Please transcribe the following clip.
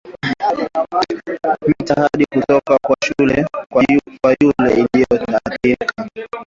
mita hadi kutoka kwa yule aliyeathirika